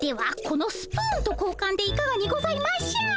このスプーンと交換でいかがにございましょう？